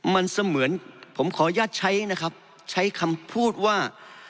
มันเสมือนผมขออนุญาตใช้นะครับใช้คำพูดว่า